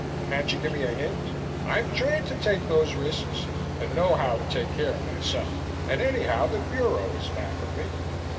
Can't you give me a hint? I'm trained to take those risks and know how to take care of myself, and anyhow the Bureau is back of me."